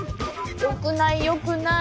よくないよくない。